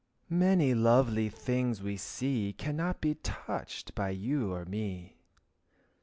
Many lovely things we see Cannot be touched by you or me.